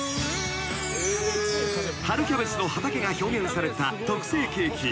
［春キャベツの畑が表現された特製ケーキ］